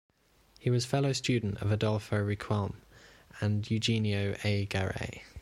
He was fellow student of Adolfo Riquelme and Eugenio A. Garay.